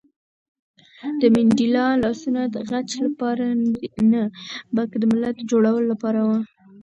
د منډېلا لاسونه د غچ لپاره نه، بلکې د ملت د جوړولو لپاره وو.